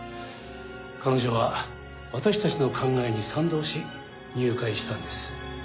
彼女は私たちの考えに賛同し入会したんです。